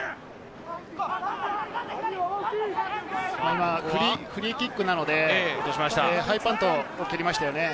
今、フリーキックなので、ハイパントを蹴りましたよね。